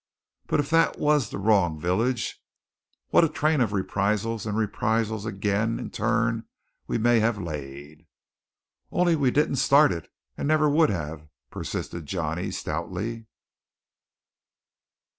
But if that was the wrong village, what a train of reprisals and reprisals again in turn we may have laid! "Only we didn't start it, and never would have!" persisted Johnny stoutly.